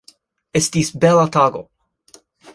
Esits bela tago.